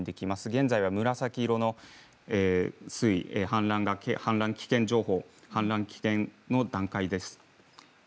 現在は紫色の氾濫危険情報、氾濫危険の段階です。